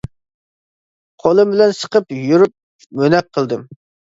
قولۇم بىلەن سىقىپ يۈرۈپ مونەك قىلدىم.